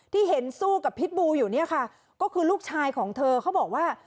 ที่เห็นสู้กับพิษบูอยู่เนี่ยค่ะก็คือลูกชายของเธอเขาบอกว่า